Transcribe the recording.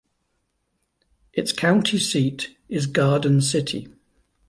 Its county seat is Garden City.